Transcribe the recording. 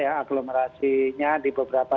agglomerasinya di beberapa